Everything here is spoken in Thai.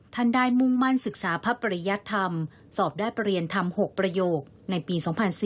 ท่านได้มุ่งมั่นศึกษาพระปริยธรรมสอบได้ประเรียนธรรม๖ประโยคในปี๒๔๔